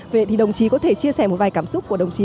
vậy thì đồng chí có thể chia sẻ một vài cảm xúc của đồng chí